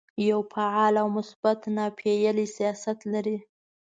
یو فعال او مثبت ناپېیلی سیاست لري.